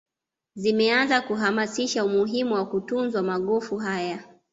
zimeanza kuhamasisha umuhimu wa kutunzwa magofu haya